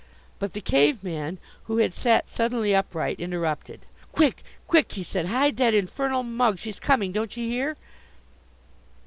But the Cave man, who had sat suddenly upright, interrupted. "Quick! quick!" he said. "Hide that infernal mug! She's coming. Don't you hear!"